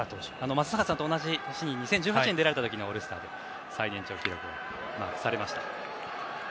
松坂さんと同じ年２０１８年に出られた時のオールスターで最年長記録をマークされました。